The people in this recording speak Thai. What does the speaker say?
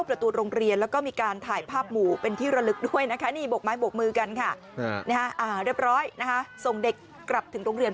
พี่อู๋ขอเดี๋ยวทรัมเป็ตเพลงอะไรรู้ไหม